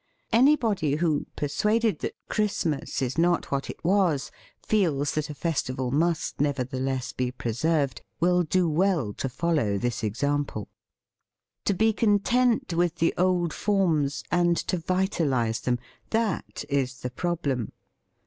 Any body who, persuaded that Christmas is not what it was, feels that a festival must nevertheless be preserved, will do well to follow this example. To be THE FEAST OF ST FRIEND content with the old forms and to vital ize them: that is the problem.